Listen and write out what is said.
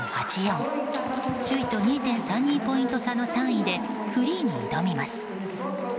首位と２．３２ポイント差の３位でフリーに挑みます。